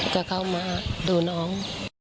จะเข้ามาดูน้อง